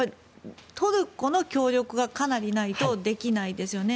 トルコの協力がかなりないとできないですよね。